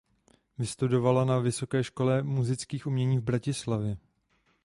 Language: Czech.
Vystudovala na Vysoké škole múzických umění v Bratislavě.